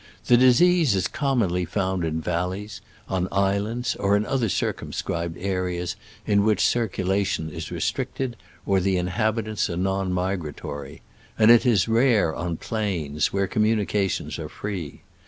The disease is commonly found in valleys, on islands or in other circum scribed aieas in which circulation is re stricted or the inhabitants are non mi gratory ; and it is rare on plains, where communications are free.